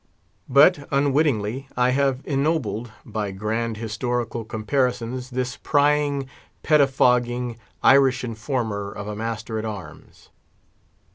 But, unwittingly, I have ennobled, by grand historical comparisons, this prying, pettifogging, Irish informer of a master at arms.